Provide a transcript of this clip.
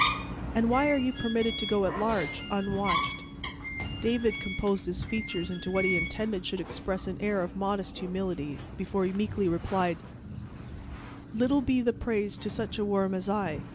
"And why are you permitted to go at large, unwatched?" David composed his features into what he intended should express an air of modest humility, before he meekly replied: "Little be the praise to such a worm as I.